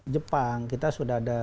jepang kita sudah ada